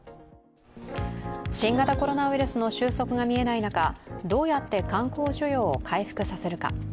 新型コロナウイルスの収束がみえない中、どうやって観光需要を回復させるか。